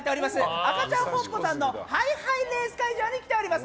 アカチャンホンポさんのハイハイレース会場に来ております。